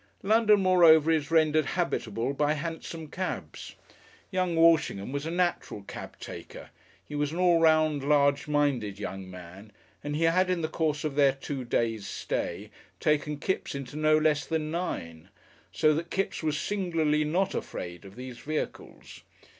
London, moreover, is rendered habitable by hansom cabs. Young Walshingham was a natural cab taker, he was an all round large minded young man, and he had in the course of their two days' stay taken Kipps into no less than nine, so that Kipps was singularly not afraid of these vehicles.